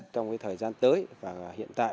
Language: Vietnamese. trong thời gian tới và hiện tại